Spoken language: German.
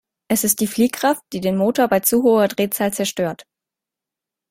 Es ist die Fliehkraft, die den Motor bei zu hoher Drehzahl zerstört.